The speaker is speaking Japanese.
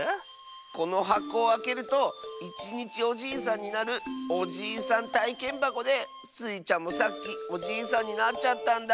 このはこをあけるといちにちおじいさんになるおじいさんたいけんばこでスイちゃんもさっきおじいさんになっちゃったんだ。